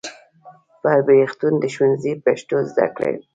بر پښتون د ښوونځي پښتو زده کوي.